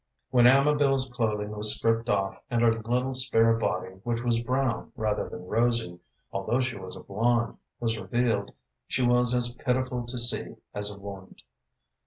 When Amabel's clothing was stripped off, and her little, spare body, which was brown rather than rosy, although she was a blonde, was revealed, she was as pitiful to see as a wound.